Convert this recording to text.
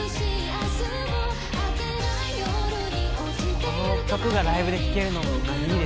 この曲がライブで聴けるのもいいですね。